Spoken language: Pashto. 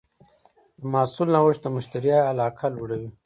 د محصول نوښت د مشتری علاقه لوړوي.